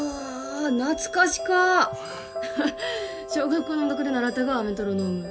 懐かしか小学校の音楽で習ったがメトロノーム